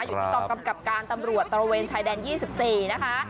ตอนกำกับการตำรวจตะโรเวนชายแดน๒๔นะคะ